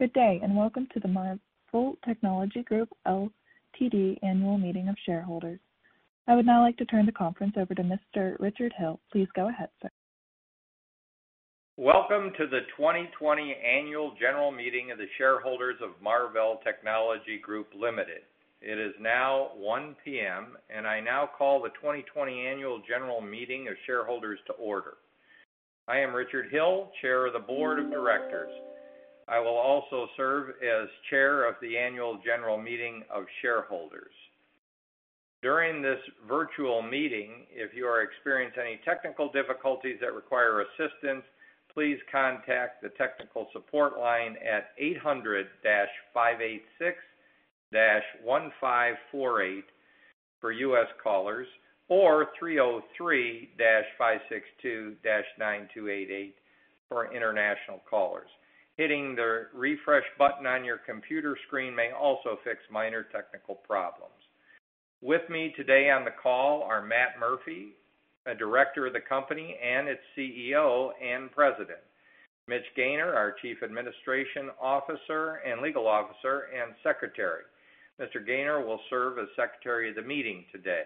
Good day. Welcome to the Marvell Technology Group Ltd. Annual Meeting of shareholders. I would now like to turn the conference over to Mr. Richard Hill. Please go ahead, sir. Welcome to the 2020 Annual General Meeting of the Shareholders of Marvell Technology Group Ltd. It is now 1:00 P.M., I now call the 2020 Annual General Meeting of Shareholders to order. I am Richard Hill, Chair of the Board of Directors. I will also serve as Chair of the Annual General Meeting of shareholders. During this virtual meeting, if you are experiencing any technical difficulties that require assistance, please contact the technical support line at 800-586-1548 for U.S. callers, or 303-562-9288 for international callers. Hitting the refresh button on your computer screen may also fix minor technical problems. With me today on the call are Matt Murphy, a director of the company and its CEO and President. Mitchell Gaynor, our Chief Administration Officer and Legal Officer and Secretary. Mr. Gaynor will serve as Secretary of the meeting today.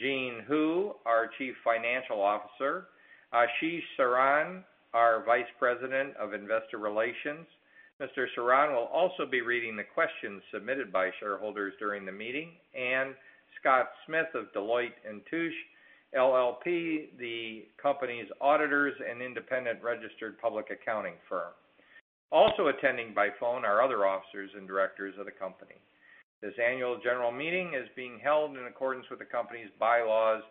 Jean Hu, our Chief Financial Officer. Ashish Saran, our Vice President of Investor Relations. Mr. Saran will also be reading the questions submitted by shareholders during the meeting. Scott Smith of Deloitte & Touche LLP, the company's auditors and independent registered public accounting firm. Also attending by phone are other officers and directors of the company. This annual general meeting is being held in accordance with the company's bylaws,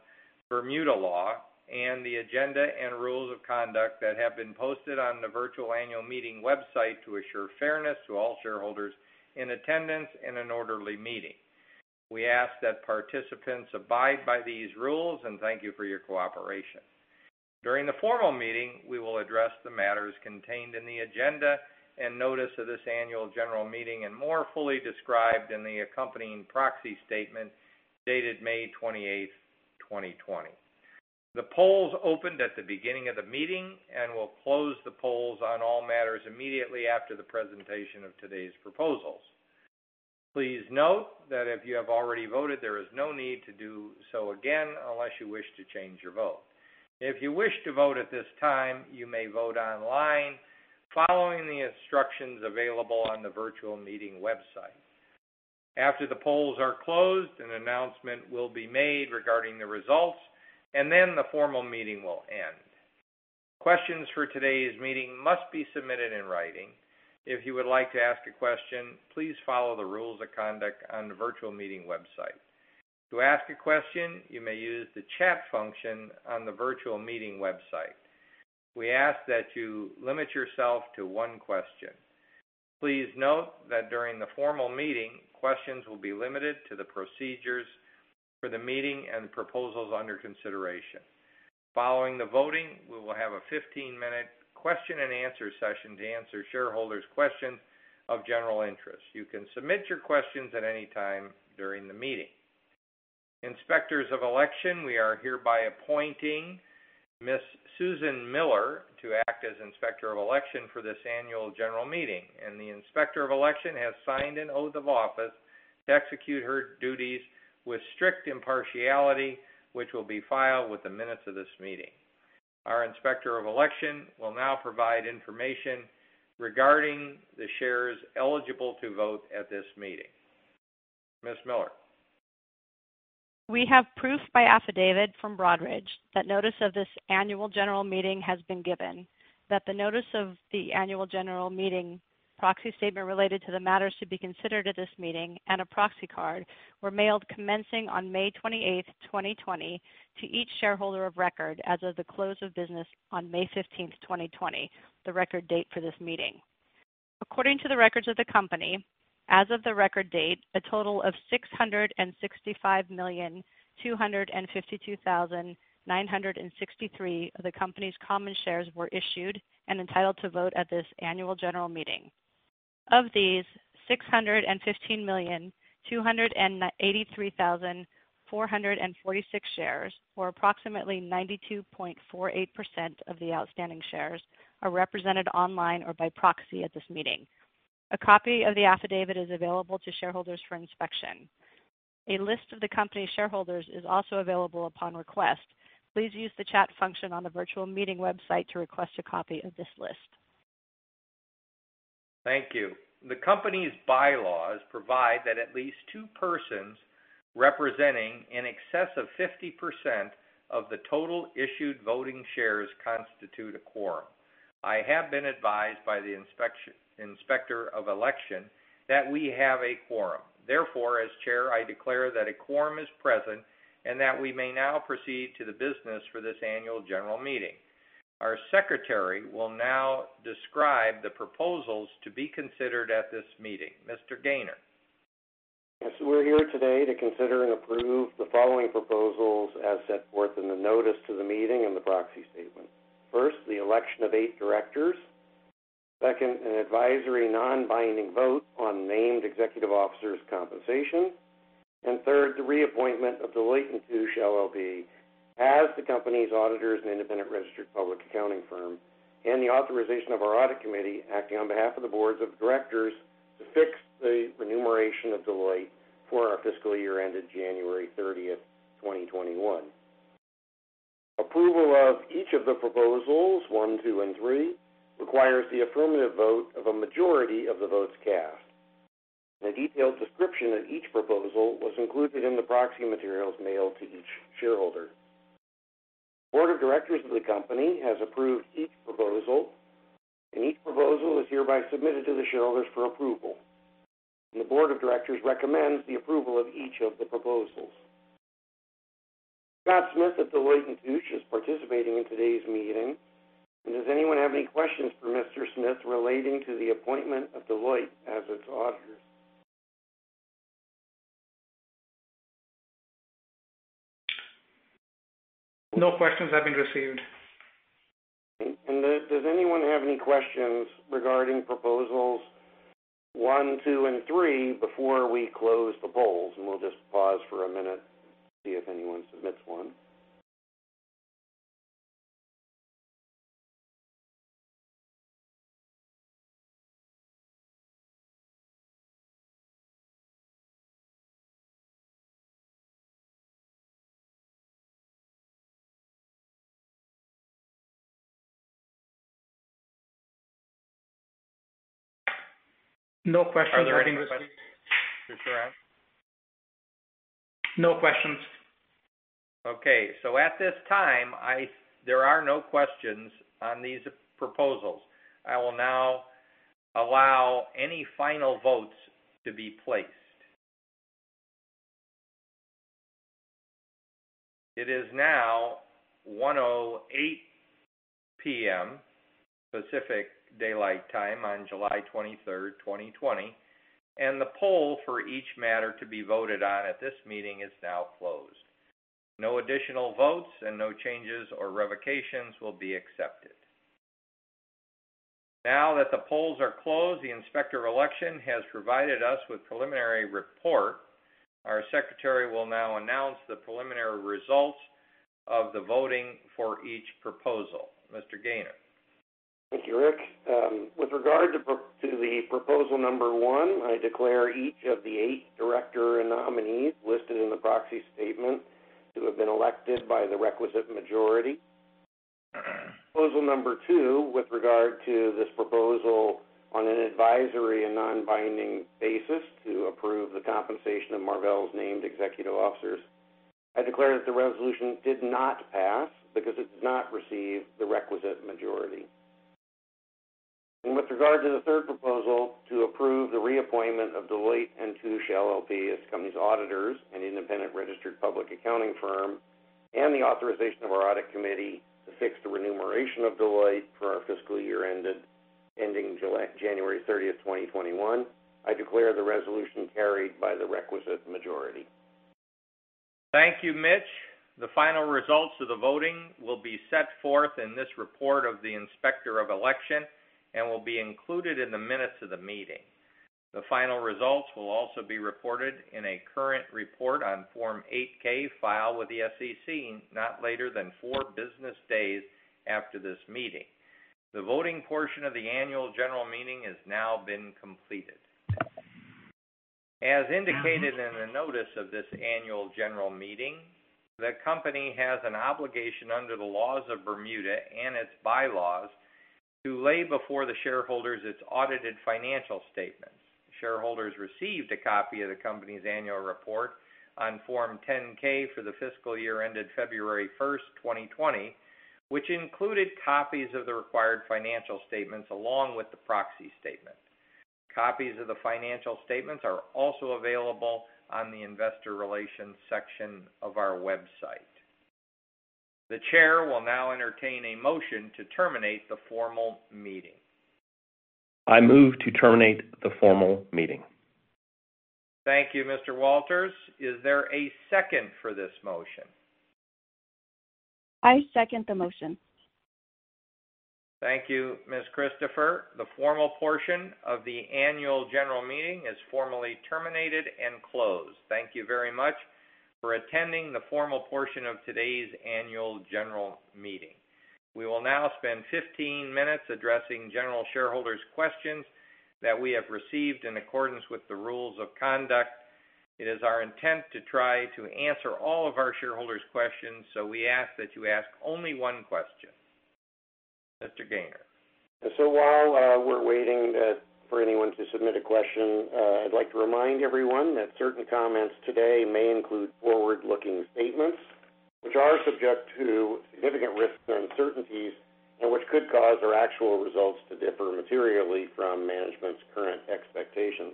Bermuda law, and the agenda and rules of conduct that have been posted on the virtual annual meeting website to assure fairness to all shareholders in attendance in an orderly meeting. We ask that participants abide by these rules and thank you for your cooperation. During the formal meeting, we will address the matters contained in the agenda and notice of this annual general meeting and more fully described in the accompanying proxy statement dated May 28th, 2020. The polls opened at the beginning of the meeting and will close the polls on all matters immediately after the presentation of today's proposals. Please note that if you have already voted, there is no need to do so again unless you wish to change your vote. If you wish to vote at this time, you may vote online following the instructions available on the virtual meeting website. After the polls are closed, an announcement will be made regarding the results, and then the formal meeting will end. Questions for today's meeting must be submitted in writing. If you would like to ask a question, please follow the rules of conduct on the virtual meeting website. To ask a question, you may use the chat function on the virtual meeting website. We ask that you limit yourself to one question. Please note that during the formal meeting, questions will be limited to the procedures for the meeting and proposals under consideration. Following the voting, we will have a 15-minute question and answer session to answer shareholders' questions of general interest. You can submit your questions at any time during the meeting. Inspector of Election, we are hereby appointing Ms. Susan Miller to act as Inspector of Election for this annual general meeting. The Inspector of Election has signed an oath of office to execute her duties with strict impartiality, which will be filed with the minutes of this meeting. Our Inspector of Election will now provide information regarding the shares eligible to vote at this meeting. Ms. Miller. We have proof by affidavit from Broadridge that notice of this annual general meeting has been given that the notice of the annual general meeting proxy statement related to the matters to be considered at this meeting and a proxy card were mailed commencing on May 28th, 2020 to each shareholder of record as of the close of business on May 15th, 2020, the record date for this meeting. According to the records of the company, as of the record date, a total of 665,252,963 of the company's common shares were issued and entitled to vote at this annual general meeting. Of these, 615,283,446 shares, or approximately 92.48% of the outstanding shares, are represented online or by proxy at this meeting. A copy of the affidavit is available to shareholders for inspection. A list of the company shareholders is also available upon request. Please use the chat function on the virtual meeting website to request a copy of this list. Thank you. The company's bylaws provide that at least two persons representing in excess of 50% of the total issued voting shares constitute a quorum. I have been advised by the Inspector of Election that we have a quorum. As chair, I declare that a quorum is present and that we may now proceed to the business for this annual general meeting. Our secretary will now describe the proposals to be considered at this meeting. Mr. Gaynor. Yes. We're here today to consider and approve the following proposals as set forth in the notice to the meeting and the proxy statement. First, the election of eight directors. Second, an advisory non-binding vote on named executive officers' compensation. Third, the reappointment of Deloitte & Touche LLP as the company's auditors and independent registered public accounting firm, and the authorization of our audit committee acting on behalf of the boards of directors to fix the remuneration of Deloitte for our fiscal year ended January 30th, 2021. Approval of each of the proposals, one, two, and three, requires the affirmative vote of a majority of the votes cast. The detailed description of each proposal was included in the proxy materials mailed to each shareholder. Board of Directors of the company has approved each proposal. Each proposal is hereby submitted to the shareholders for approval. The Board of Directors recommends the approval of each of the proposals. Scott Smith of Deloitte & Touche is participating in today's meeting. Does anyone have any questions for Mr. Smith relating to the appointment of Deloitte as its auditor? No questions have been received. Does anyone have any questions regarding proposals one, two, and three before we close the polls? We'll just pause for a minute to see if anyone submits one. Are there any questions, Mr. Saran? No questions. Okay. At this time, there are no questions on these proposals. I will now allow any final votes to be placed. It is now 1:08 P.M. Pacific Daylight Time on July 23rd, 2020. The poll for each matter to be voted on at this meeting is now closed. No additional votes and no changes or revocations will be accepted. Now that the polls are closed, the Inspector of Election has provided us with a preliminary report. Our secretary will now announce the preliminary results of the voting for each proposal. Mr. Gaynor. Thank you, Rick. With regard to the proposal number one, I declare each of the eight director nominees listed in the proxy statement to have been elected by the requisite majority. Proposal number two, with regard to this proposal on an advisory and non-binding basis to approve the compensation of Marvell's named executive officers, I declare that the resolution did not pass because it did not receive the requisite majority. With regard to the third proposal to approve the reappointment of Deloitte & Touche LLP as the company's auditors and independent registered public accounting firm, and the authorization of our audit committee to fix the remuneration of Deloitte for our fiscal year ending January 30th, 2021, I declare the resolution carried by the requisite majority. Thank you, Mitch. The final results of the voting will be set forth in this report of the Inspector of Election and will be included in the minutes of the meeting. The final results will also be reported in a current report on Form 8-K filed with the SEC not later than four business days after this meeting. The voting portion of the annual general meeting has now been completed. As indicated in the notice of this annual general meeting, the company has an obligation under the laws of Bermuda and its bylaws to lay before the shareholders its audited financial statements. Shareholders received a copy of the company's annual report on Form 10-K for the fiscal year ended February 1st, 2020, which included copies of the required financial statements along with the proxy statement. Copies of the financial statements are also available on the investor relations section of our website. The chair will now entertain a motion to terminate the formal meeting. I move to terminate the formal meeting. Thank you, Mr. Walters. Is there a second for this motion? I second the motion. Thank you, Ms. Christopher. The formal portion of the annual general meeting is formally terminated and closed. Thank you very much for attending the formal portion of today's annual general meeting. We will now spend 15 minutes addressing general shareholders' questions that we have received in accordance with the rules of conduct. It is our intent to try to answer all of our shareholders' questions. We ask that you ask only one question. Mr. Gaynor. While we're waiting for anyone to submit a question, I'd like to remind everyone that certain comments today may include forward-looking statements, which are subject to significant risks and uncertainties and which could cause our actual results to differ materially from management's current expectations.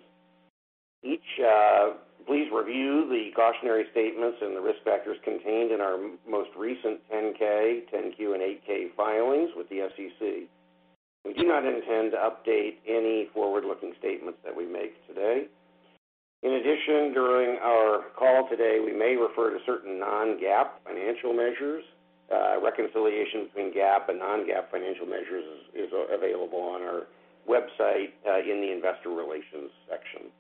Please review the cautionary statements and the risk factors contained in our most recent 10-K, 10-Q, and 8-K filings with the SEC. We do not intend to update any forward-looking statements that we make today. In addition, during our call today, we may refer to certain non-GAAP financial measures. Reconciliations between GAAP and non-GAAP financial measures is available on our website, in the investor relations section.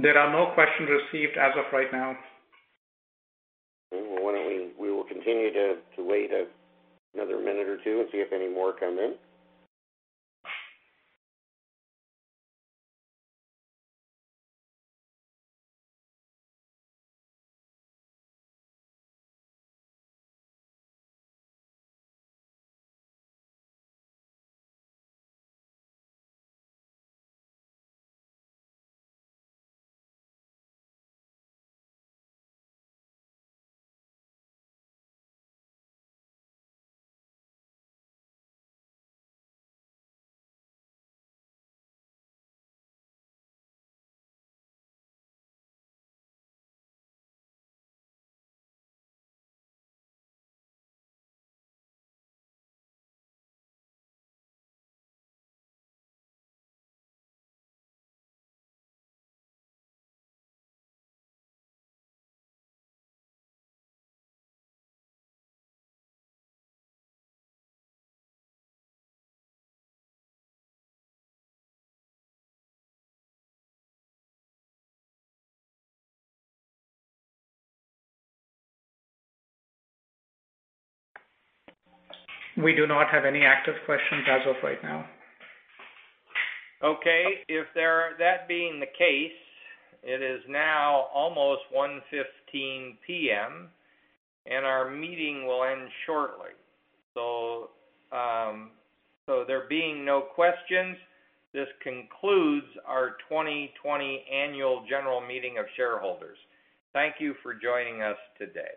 There are no questions received as of right now. Okay. We will continue to wait another minute or two and see if any more come in. We do not have any active questions as of right now. Okay. That being the case, it is now almost 1:15 P.M., and our meeting will end shortly. There being no questions, this concludes our 2020 Annual General Meeting of shareholders. Thank you for joining us today.